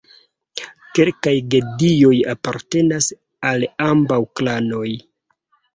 Kelkaj gedioj apartenas al ambaŭ klanoj.